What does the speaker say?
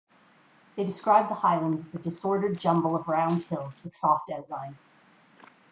They described the highlands as "a disordered jumble of round hills with soft outlines".